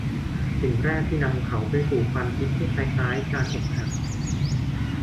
สิ่งแรกที่นำเขาไปสู่ความคิดที่คล้าย ๆ การอกหัก